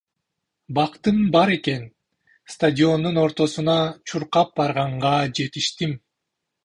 Бактым бар экен, стадиондун ортосуна чуркап барганга жетиштим.